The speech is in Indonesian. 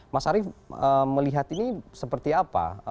mas arief melihat ini seperti apa